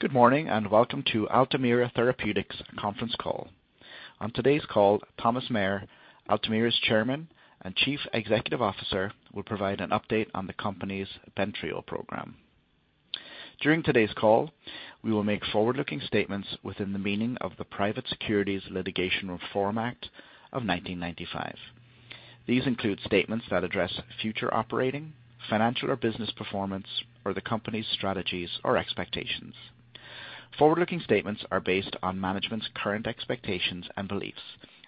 Good morning, and welcome to Altamira Therapeutics conference call. On today's call, Thomas Meyer, Altamira's Chairman and Chief Executive Officer, will provide an update on the company's Bentrio program. During today's call, we will make forward-looking statements within the meaning of the Private Securities Litigation Reform Act of 1995. These include statements that address future operating, financial, or business performance, or the company's strategies or expectations. Forward-looking statements are based on management's current expectations and beliefs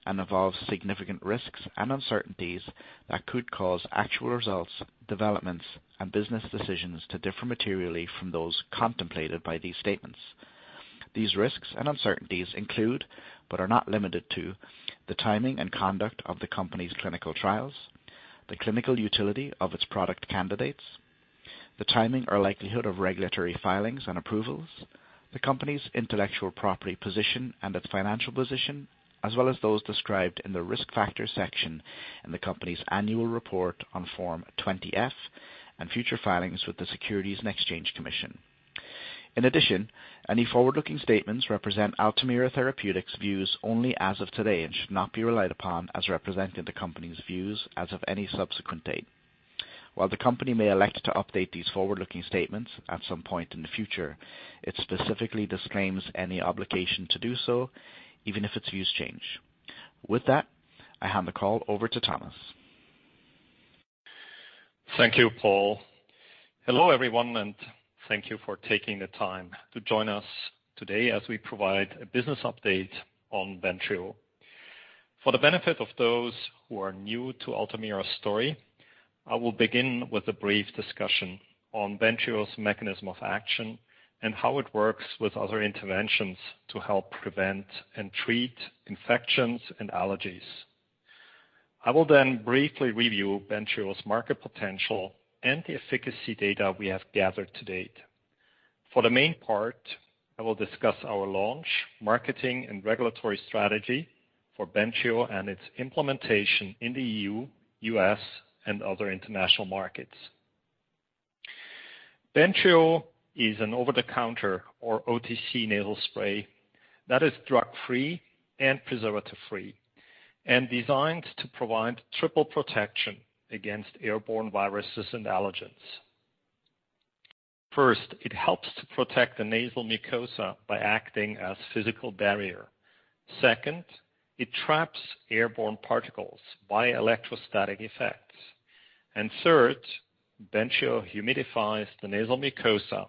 and involve significant risks and uncertainties that could cause actual results, developments, and business decisions to differ materially from those contemplated by these statements. These risks and uncertainties include, but are not limited to, the timing and conduct of the company's clinical trials, the clinical utility of its product candidates, the timing or likelihood of regulatory filings and approvals, the company's intellectual property position and its financial position, as well as those described in the risk factor section in the company's annual report on Form 20-F and future filings with the Securities and Exchange Commission. In addition, any forward-looking statements represent Altamira Therapeutics views only as of today and should not be relied upon as representing the company's views as of any subsequent date. While the company may elect to update these forward-looking statements at some point in the future, it specifically disclaims any obligation to do so, even if its views change. With that, I hand the call over to Thomas. Thank you, Paul. Hello, everyone, and thank you for taking the time to join us today as we provide a business update on Bentrio. For the benefit of those who are new to Altamira's story, I will begin with a brief discussion on Bentrio's mechanism of action and how it works with other interventions to help prevent and treat infections and allergies. I will briefly review Bentrio's market potential and the efficacy data we have gathered to date. For the main part, I will discuss our launch, marketing, and regulatory strategy for Bentrio and its implementation in the EU, U.S., and other international markets. Bentrio is an over-the-counter or OTC nasal spray that is drug-free and preservative-free and designed to provide triple protection against airborne viruses and allergens. First, it helps to protect the nasal mucosa by acting as physical barrier. Second, it traps airborne particles via electrostatic effects. Third, Bentrio humidifies the nasal mucosa,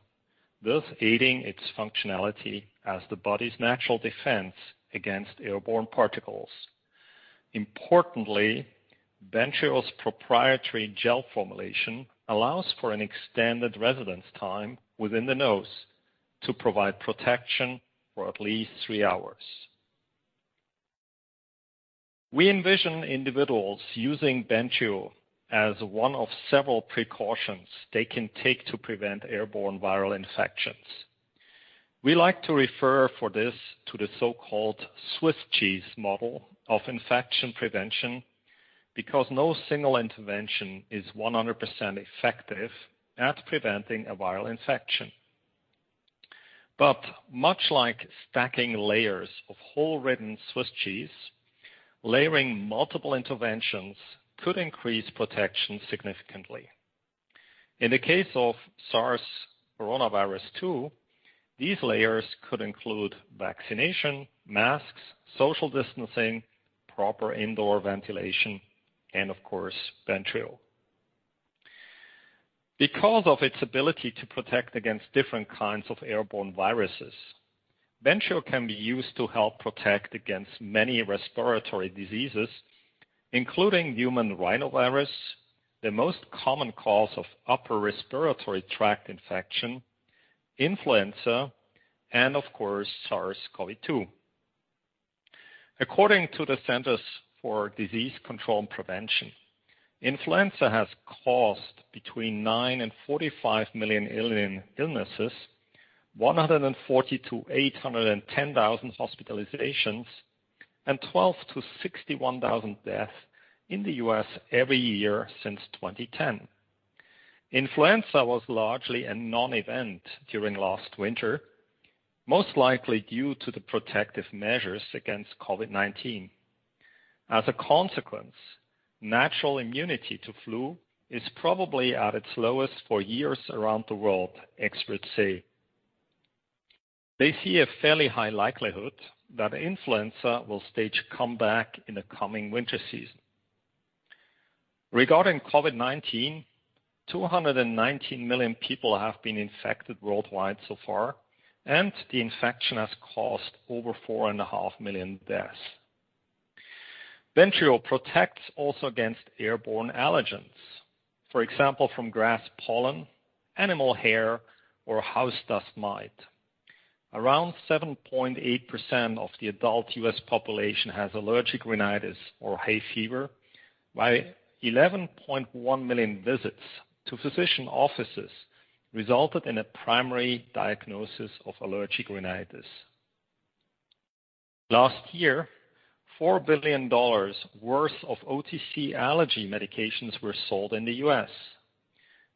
thus aiding its functionality as the body's natural defense against airborne particles. Importantly, Bentrio's proprietary gel formulation allows for an extended residence time within the nose to provide protection for at least three hours. We envision individuals using Bentrio as one of several precautions they can take to prevent airborne viral infections. We like to refer for this to the so-called Swiss cheese model of infection prevention because no single intervention is 100% effective at preventing a viral infection. Much like stacking layers of hole-ridden Swiss cheese, layering multiple interventions could increase protection significantly. In the case of SARS-CoV-2, these layers could include vaccination, masks, social distancing, proper indoor ventilation, and of course, Bentrio. Because of its ability to protect against different kinds of airborne viruses, Bentrio can be used to help protect against many respiratory diseases, including human rhinovirus, the most common cause of upper respiratory tract infection, influenza, and of course, SARS-CoV-2. According to the Centers for Disease Control and Prevention, influenza has caused between 9 and 45 million illnesses, 140 to 810,000 hospitalizations, and 12 to 61,000 deaths in the U.S. every year since 2010. Influenza was largely a non-event during last winter, most likely due to the protective measures against COVID-19. As a consequence, natural immunity to flu is probably at its lowest for years around the world, experts say. They see a fairly high likelihood that influenza will stage a comeback in the coming winter season. Regarding COVID-19, 219 million people have been infected worldwide so far, and the infection has caused over 4.5 million deaths. Bentrio protects also against airborne allergens, for example, from grass pollen, animal hair, or house dust mite. Around 7.8% of the adult U.S. population has allergic rhinitis or hay fever, while 11.1 million visits to physician offices resulted in a primary diagnosis of allergic rhinitis. Last year, $4 billion worth of OTC allergy medications were sold in the U.S.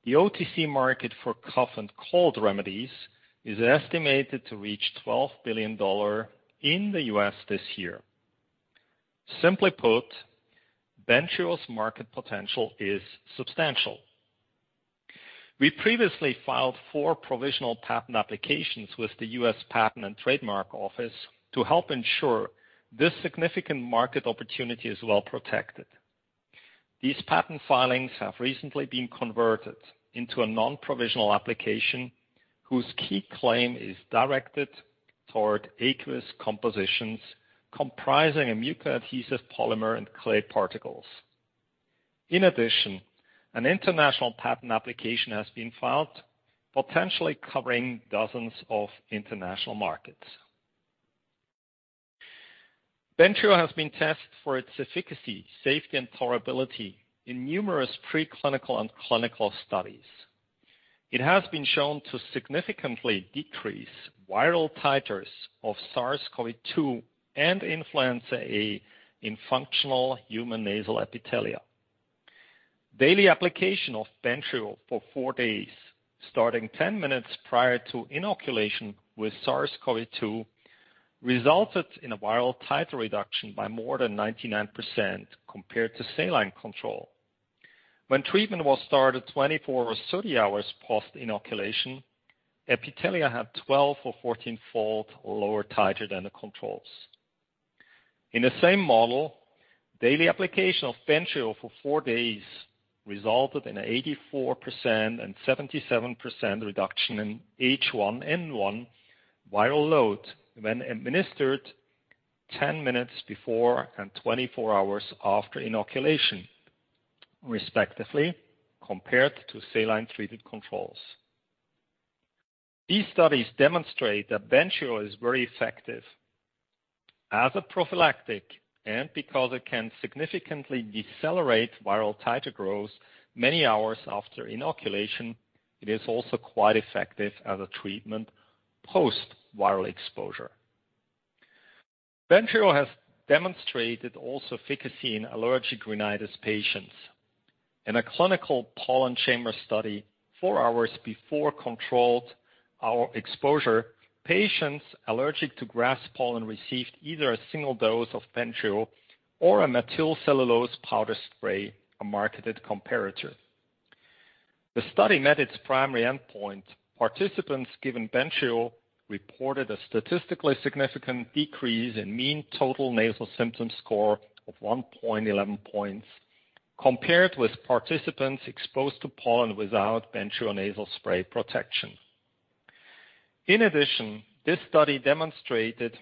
The OTC market for cough and cold remedies is estimated to reach $12 billion in the U.S. this year. Simply put, Bentrio's market potential is substantial. We previously filed four provisional patent applications with the U.S. Patent and Trademark Office to help ensure this significant market opportunity is well protected. These patent filings have recently been converted into a non-provisional application whose key claim is directed toward aqueous compositions comprising a mucoadhesive polymer and clay particles. In addition, an international patent application has been filed, potentially covering dozens of international markets. Bentrio has been tested for its efficacy, safety, and tolerability in numerous preclinical and clinical studies. It has been shown to significantly decrease viral titers of SARS-CoV-2 and influenza A in functional human nasal epithelia. Daily application of Bentrio for four days, starting 10 minutes prior to inoculation with SARS-CoV-2, resulted in a viral titer reduction by more than 99% compared to saline control. When treatment was started 24 or 30 hours post-inoculation, epithelia had 12 or 14-fold lower titer than the controls. In the same model, daily application of Bentrio for four days resulted in an 84% and 77% reduction in H1N1 viral load when administered 10 minutes before and 24 hours after inoculation, respectively, compared to saline-treated controls. These studies demonstrate that Bentrio is very effective as a prophylactic, and because it can significantly decelerate viral titer growth many hours after inoculation, it is also quite effective as a treatment post-viral exposure. Bentrio has demonstrated also efficacy in allergic rhinitis patients. In a clinical pollen chamber study, four hours before controlled hour exposure, patients allergic to grass pollen received either a single dose of Bentrio or a methylcellulose powder spray, a marketed comparator. The study met its primary endpoint. Participants given Bentrio reported a statistically significant decrease in mean total nasal symptom score of 111 points, compared with participants exposed to pollen without Bentrio nasal spray protection. In addition, this study demonstrated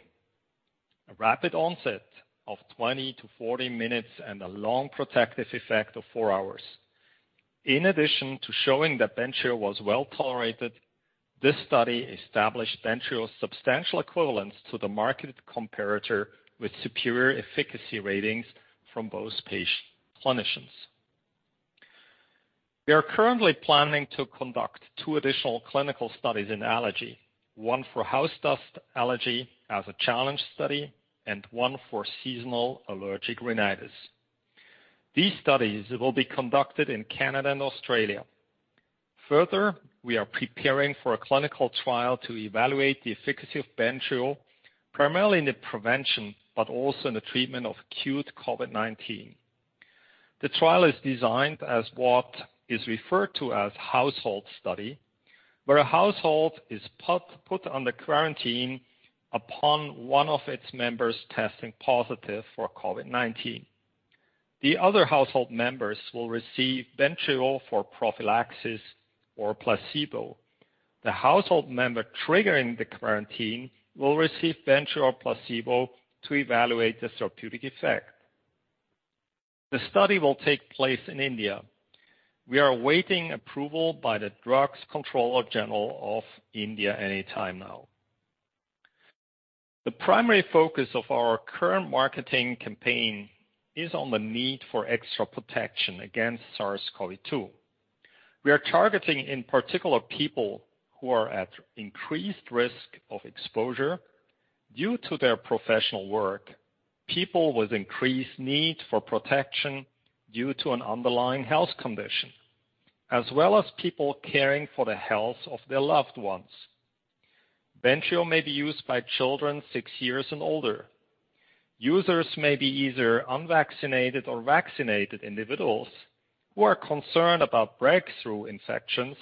a rapid onset of 20 to 40 minutes and a long protective effect of four hours. In addition to showing that Bentrio was well-tolerated, this study established Bentrio's substantial equivalence to the marketed comparator with superior efficacy ratings from both patient clinicians. We are currently planning to conduct two additional clinical studies in allergy, one for house dust allergy as a challenge study, and one for seasonal allergic rhinitis. These studies will be conducted in Canada and Australia. Further, we are preparing for a clinical trial to evaluate the efficacy of Bentrio, primarily in the prevention, but also in the treatment of acute COVID-19. The trial is designed as what is referred to as household study, where a household is put under quarantine upon one of its members testing positive for COVID-19. The other household members will receive Bentrio for prophylaxis or a placebo. The household member triggering the quarantine will receive Bentrio or placebo to evaluate the therapeutic effect. The study will take place in India. We are awaiting approval by the Drugs Controller General of India any time now. The primary focus of our current marketing campaign is on the need for extra protection against SARS-CoV-2. We are targeting, in particular, people who are at increased risk of exposure due to their professional work, people with increased need for protection due to an underlying health condition, as well as people caring for the health of their loved ones. Bentrio may be used by children six years and older. Users may be either unvaccinated or vaccinated individuals who are concerned about breakthrough infections,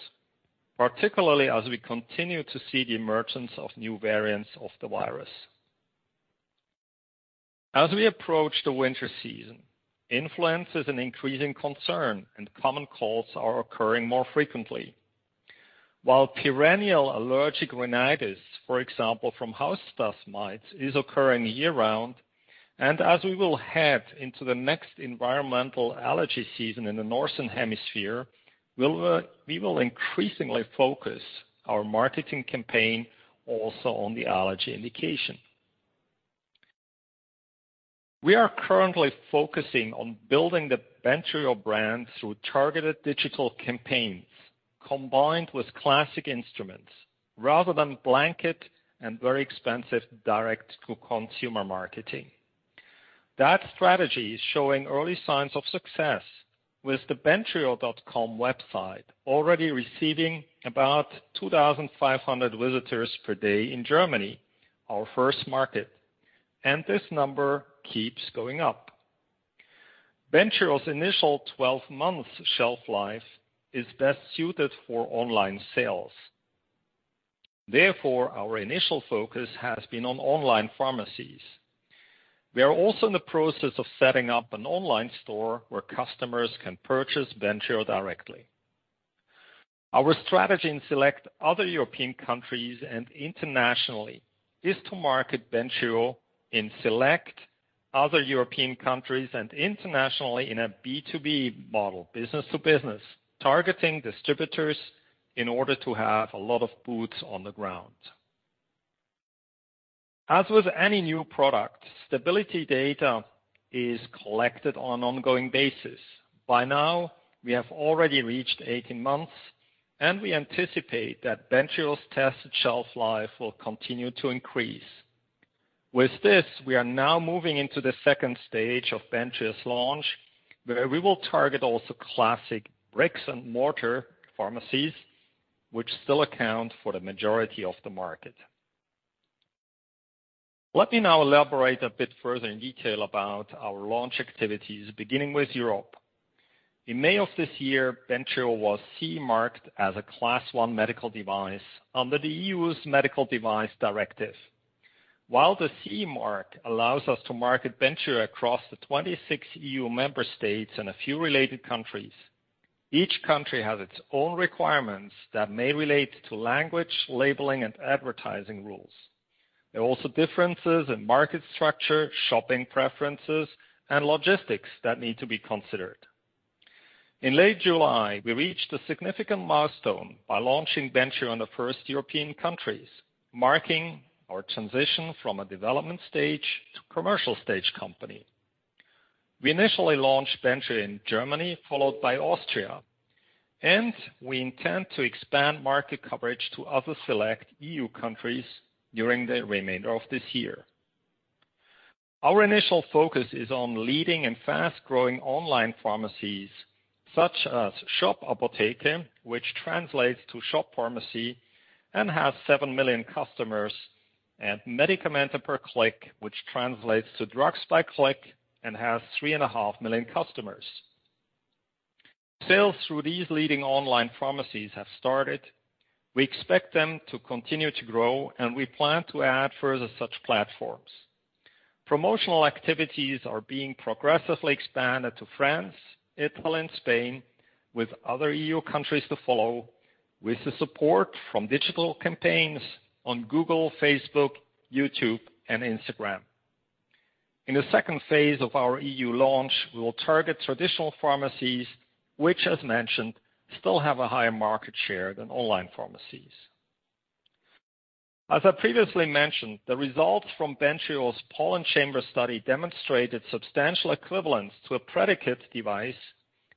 particularly as we continue to see the emergence of new variants of the virus. As we approach the winter season, influenza is an increasing concern, and common colds are occurring more frequently. While perennial allergic rhinitis, for example, from house dust mites, is occurring year-round, and as we will head into the next environmental allergy season in the Northern Hemisphere, we will increasingly focus our marketing campaign also on the allergy indication. We are currently focusing on building the Bentrio brand through targeted digital campaigns combined with classic instruments rather than blanket and very expensive direct-to-consumer marketing. That strategy is showing early signs of success, with the bentrio.com website already receiving about 2,500 visitors per day in Germany, our first market, and this number keeps going up. Bentrio's initial 12-month shelf life is best suited for online sales. Therefore, our initial focus has been on online pharmacies. We are also in the process of setting up an online store where customers can purchase Bentrio directly. Our strategy in select other European countries and internationally is to market Bentrio in select other European countries and internationally in a B2B model, business to business, targeting distributors in order to have a lot of boots on the ground. As with any new product, stability data is collected on an ongoing basis. By now, we have already reached 18 months, and we anticipate that Bentrio's tested shelf life will continue to increase. With this, we are now moving into the second stage of Bentrio's launch, where we will target also classic bricks and mortar pharmacies, which still account for the majority of the market. Let me now elaborate a bit further in detail about our launch activities, beginning with Europe. In May of this year, Bentrio was CE marked as a Class 1 medical device under the EU's Medical Device Directive. While the CE mark allows us to market Bentrio across the 26 EU member states and a few related countries, each country has its own requirements that may relate to language, labeling, and advertising rules. There are also differences in market structure, shopping preferences, and logistics that need to be considered. In late July, we reached a significant milestone by launching Bentrio in the first European countries, marking our transition from a development stage to commercial stage company. We initially launched Bentrio in Germany, followed by Austria, and we intend to expand market coverage to other select EU countries during the remainder of this year. Our initial focus is on leading and fast-growing online pharmacies such as Shop Apotheke, which translates to shop pharmacy and has 7 million customers, and Medikamente per Klick, which translates to drugs by click and has 3.5 million customers. Sales through these leading online pharmacies have started. We expect them to continue to grow, and we plan to add further such platforms. Promotional activities are being progressively expanded to France, Italy, and Spain with other EU countries to follow, with the support from digital campaigns on Google, Facebook, YouTube, and Instagram. In the second phase of our EU launch, we will target traditional pharmacies, which, as mentioned, still have a higher market share than online pharmacies. As I previously mentioned, the results from Bentrio's pollen chamber study demonstrated substantial equivalence to a predicate device,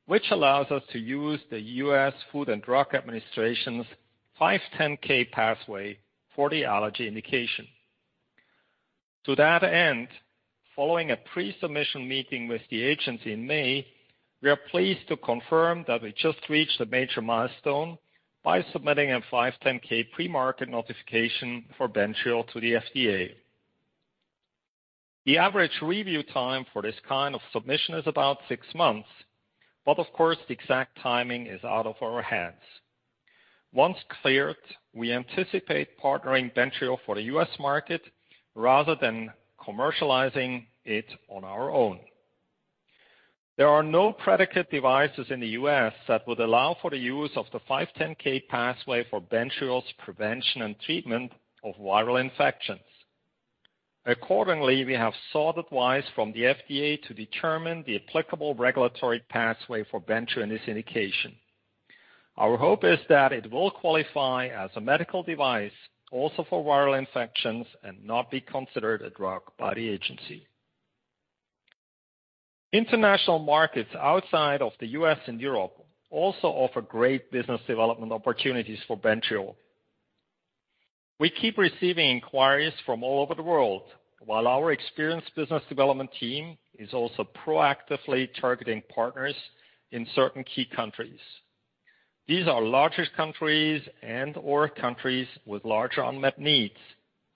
which allows us to use the U.S. Food and Drug Administration's 510(k) pathway for the allergy indication. To that end, following a pre-submission meeting with the agency in May, we are pleased to confirm that we just reached a major milestone by submitting a 510(k) pre-market notification for Bentrio to the FDA. The average review time for this kind of submission is about six months, but of course, the exact timing is out of our hands. Once cleared, we anticipate partnering Bentrio for the U.S. market rather than commercializing it on our own. There are no predicate devices in the U.S. that would allow for the use of the 510(k) pathway for Bentrio's prevention and treatment of viral infections. Accordingly, we have sought advice from the FDA to determine the applicable regulatory pathway for Bentrio and this indication. Our hope is that it will qualify as a medical device also for viral infections and not be considered a drug by the agency. International markets outside of the U.S. and Europe also offer great business development opportunities for Bentrio. We keep receiving inquiries from all over the world, while our experienced business development team is also proactively targeting partners in certain key countries. These are larger countries and/or countries with larger unmet needs,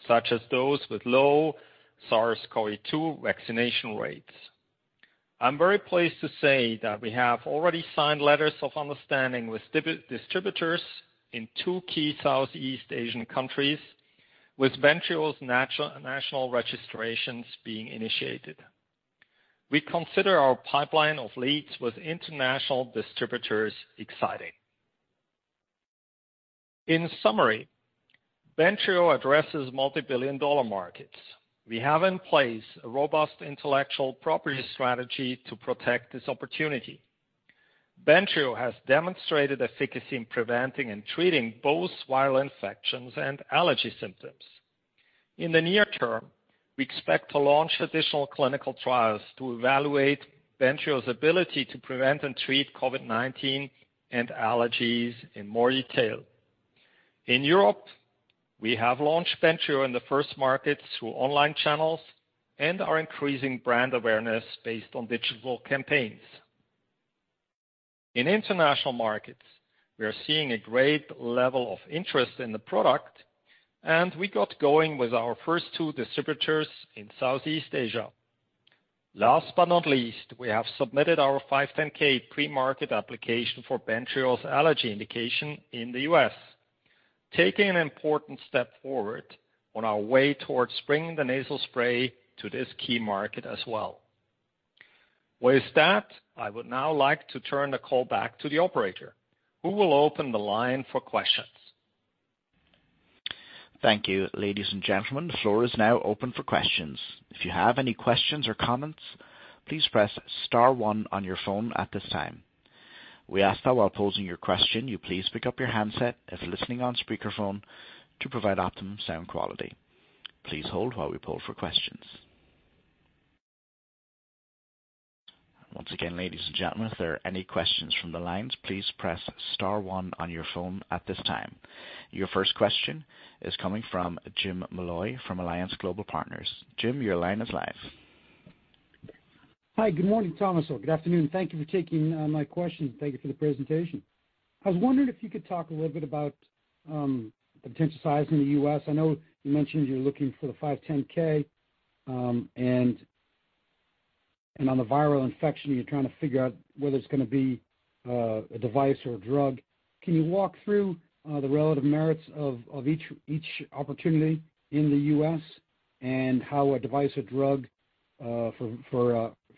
such as those with low SARS-CoV-2 vaccination rates. I'm very pleased to say that we have already signed letters of understanding with distributors in two key Southeast Asian countries, with Bentrio's national registrations being initiated. We consider our pipeline of leads with international distributors exciting. In summary, Bentrio addresses multibillion-dollar markets. We have in place a robust intellectual property strategy to protect this opportunity. Bentrio has demonstrated efficacy in preventing and treating both viral infections and allergy symptoms. In the near term, we expect to launch additional clinical trials to evaluate Bentrio's ability to prevent and treat COVID-19 and allergies in more detail. In Europe, we have launched Bentrio in the first market through online channels and are increasing brand awareness based on digital campaigns. In international markets, we are seeing a great level of interest in the product, and we got going with our first two distributors in Southeast Asia. Last but not least, we have submitted our 510(k) premarket application for Bentrio's allergy indication in the U.S., taking an important step forward on our way towards bringing the nasal spray to this key market as well. With that, I would now like to turn the call back to the operator, who will open the line for questions. Thank you. Ladies and gentlemen, the floor is now open for questions. If you have any questions or comments, please press star one on your phone at this time. We ask that while posing your question, you please pick up your handset if listening on speakerphone to provide optimum sound quality. Please hold while we poll for questions. Once again, ladies and gentlemen, if there are any questions from the lines, please press star one on your phone at this time. Your first question is coming from Jim Molloy from Alliance Global Partners. Jim, your line is live. Hi. Good morning, Thomas. Good afternoon. Thank you for taking my question. Thank you for the presentation. I was wondering if you could talk a little bit about the potential size in the U.S. I know you mentioned you're looking for the 510(k), and on the viral infection, you're trying to figure out whether it's going to be a device or a drug. Can you walk through the relative merits of each opportunity in the U.S. and how a device or drug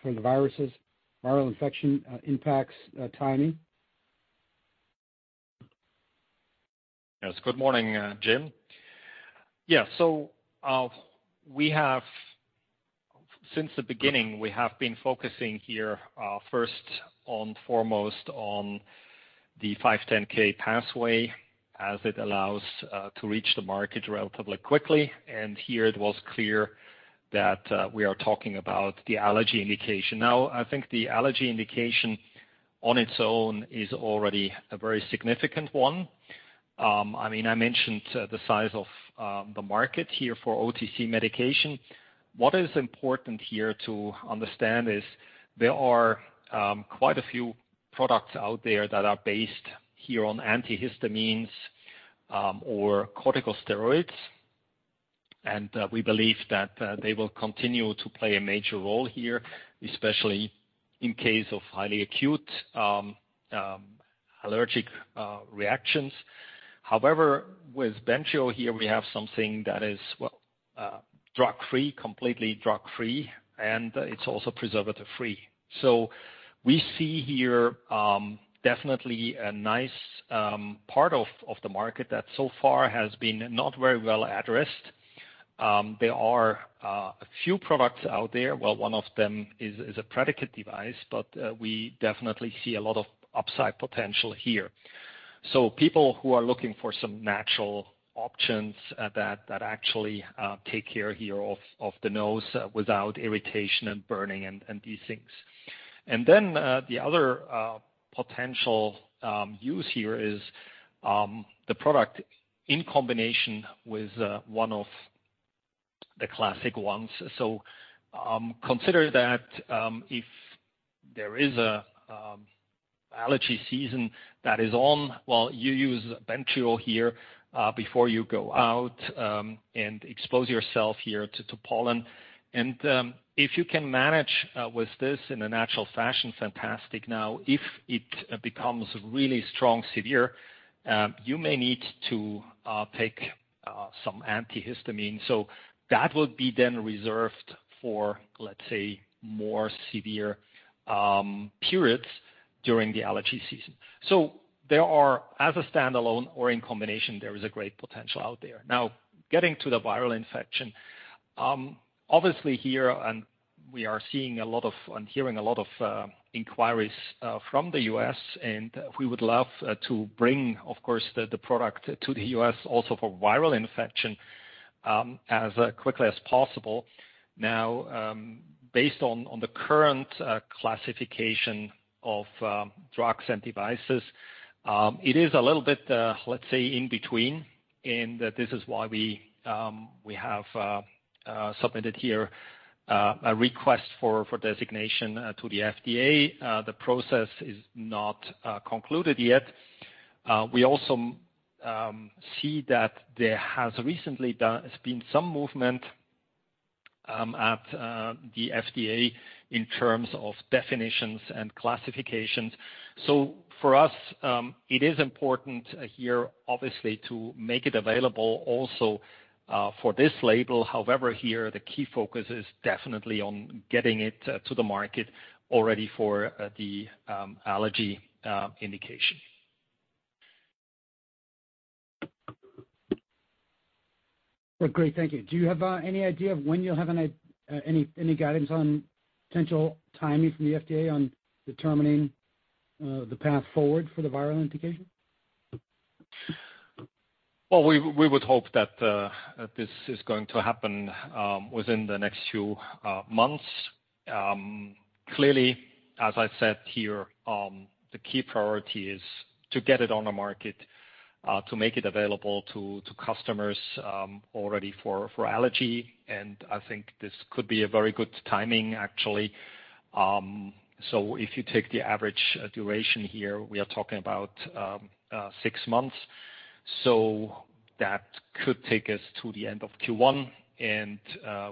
for the viruses, viral infection impacts timing? Yes. Good morning, Jim. Since the beginning, we have been focusing here first and foremost on the 510(k) pathway as it allows to reach the market relatively quickly. Here it was clear that we are talking about the allergy indication. I think the allergy indication on its own is already a very significant one. I mentioned the size of the market here for OTC medication. What is important here to understand is there are quite a few products out there that are based here on antihistamines or corticosteroids. We believe that they will continue to play a major role here, especially in case of highly acute allergic reactions. However, with Bentrio here we have something that is completely drug-free, and it's also preservative-free. We see here definitely a nice part of the market that so far has been not very well addressed. There are a few products out there. One of them is a predicate device. We definitely see a lot of upside potential here. People who are looking for some natural options that actually take care of the nose without irritation and burning and these things. The other potential use here is the product in combination with one of the classic ones. Consider that if there is an allergy season that is on, you use Bentrio here before you go out and expose yourself to pollen. If you can manage with this in a natural fashion, fantastic. Now, if it becomes really strong, severe, you may need to take some antihistamine. That will be then reserved for, let's say, more severe periods during the allergy season. There are, as a standalone or in combination, there is a great potential out there. Getting to the viral infection. Obviously here we are seeing a lot of and hearing a lot of inquiries from the U.S., and we would love to bring, of course, the product to the U.S. also for viral infection as quickly as possible. Based on the current classification of drugs and devices, it is a little bit, let's say, in between and this is why we have submitted here a request for designation to the FDA. The process is not concluded yet. We also see that there has recently been some movement at the FDA in terms of definitions and classifications. For us, it is important here obviously to make it available also for this label. Here the key focus is definitely on getting it to the market already for the allergy indication. Great. Thank you. Do you have any idea of when you'll have any guidance on potential timing from the FDA on determining the path forward for the viral indication? Well, we would hope that this is going to happen within the next few months. Clearly, as I said here, the key priority is to get it on the market to make it available to customers already for allergy. I think this could be a very good timing, actually. If you take the average duration here, we are talking about six months. That could take us to the end of Q1, and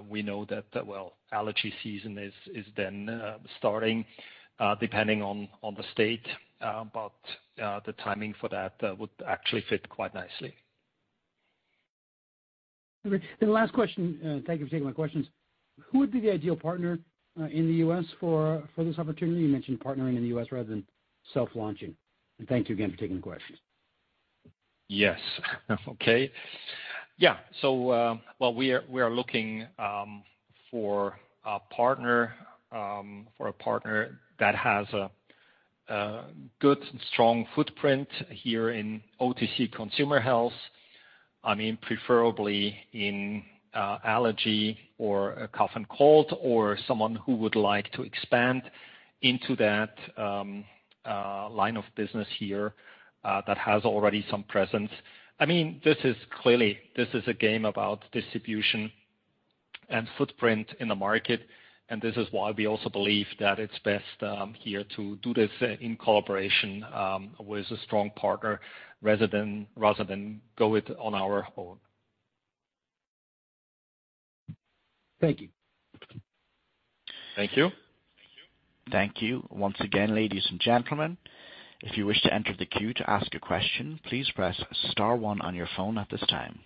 we know that, well, allergy season is then starting, depending on the state. The timing for that would actually fit quite nicely. Great. Last question. Thank you for taking my questions. Who would be the ideal partner in the U.S. for this opportunity? You mentioned partnering in the U.S. rather than self-launching. Thank you again for taking the questions. Yes. Okay. Yeah. Well, we are looking for a partner that has a good, strong footprint here in OTC consumer health, preferably in allergy or cough and cold, or someone who would like to expand into that line of business here that has already some presence. I mean, clearly, this is a game about distribution and footprint in the market, and this is why we also believe that it's best here to do this in collaboration with a strong partner, rather than go it on our own. Thank you. Thank you. Thank you. Once again, ladies and gentlemen, if you wish to enter the queue to ask a question, please press star one on your phone at this time.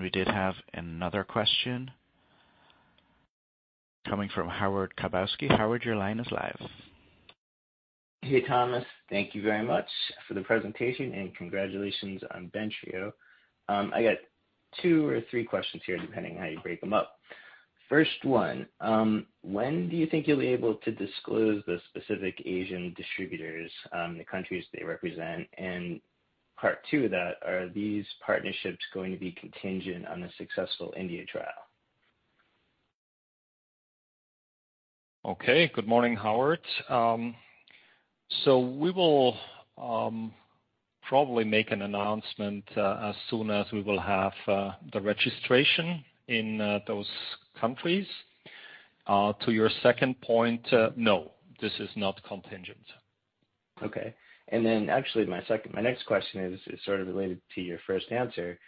We did have another question coming from Howard Kabowski. Howard, your line is live. Hey, Thomas. Thank you very much for the presentation, and congratulations on Bentrio. I got two or three questions here, depending on how you break them up. First one, when do you think you'll be able to disclose the specific Asian distributors, the countries they represent? Part two of that, are these partnerships going to be contingent on the successful India trial? Okay. Good morning, Howard. We will probably make an announcement as soon as we will have the registration in those countries. To your second point, no, this is not contingent. Okay. Actually my next question is sort of related to your first answer.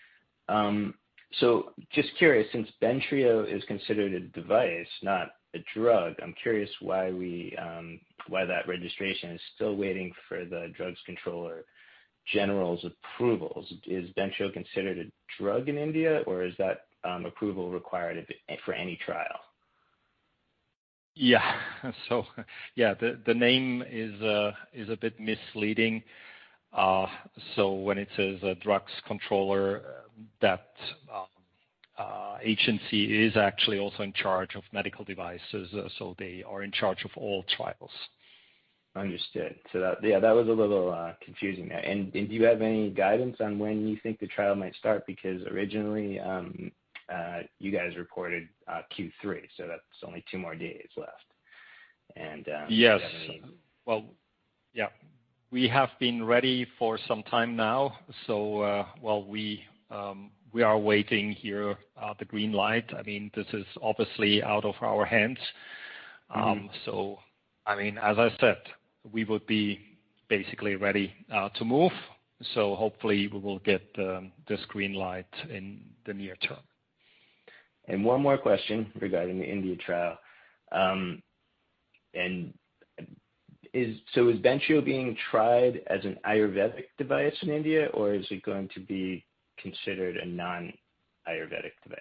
Just curious, since Bentrio is considered a device, not a drug, I'm curious why that registration is still waiting for the Drugs Controller General's approvals. Is Bentrio considered a drug in India, or is that approval required for any trial? Yeah. The name is a bit misleading. When it says a Drugs Controller, that agency is actually also in charge of medical devices, so they are in charge of all trials. Understood. That, yeah, that was a little confusing there. Do you have any guidance on when you think the trial might start? Originally, you guys reported Q3, so that's only two more days left. Yes. Well, yeah. We have been ready for some time now. Well, we are waiting here the green light. This is obviously out of our hands. As I said, we would be basically ready to move, so hopefully we will get this green light in the near term. One more question regarding the India trial. Is Bentrio being tried as an Ayurvedic device in India, or is it going to be considered a non-Ayurvedic device?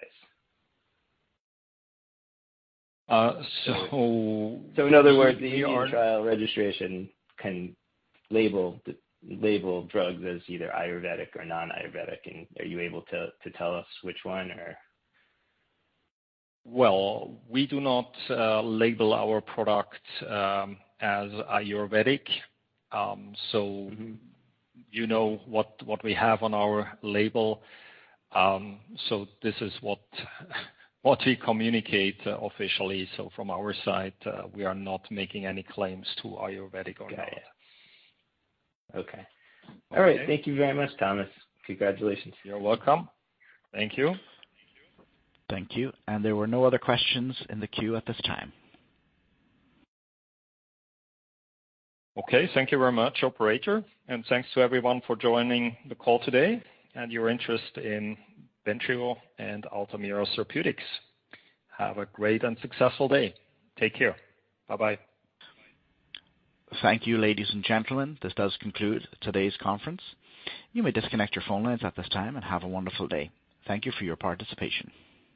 So- So in other words, the Indian trial registration can label drugs as either Ayurvedic or non-Ayurvedic. Are you able to tell us which one? Well, we do not label our product as Ayurvedic. You know what we have on our label. This is what we communicate officially. From our side, we are not making any claims to Ayurvedic or not. Got it. Okay. All right. Thank you very much, Thomas. Congratulations. You're welcome. Thank you. Thank you. There were no other questions in the queue at this time. Okay. Thank you very much, operator. Thanks to everyone for joining the call today and your interest in Bentrio and Altamira Therapeutics. Have a great and successful day. Take care. Bye-bye. Thank you, ladies and gentlemen. This does conclude today's conference. You may disconnect your phone lines at this time, and have a wonderful day. Thank you for your participation.